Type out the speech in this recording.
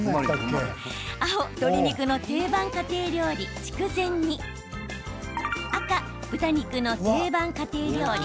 青・鶏肉の定番家庭料理、筑前煮赤・豚肉の定番家庭料理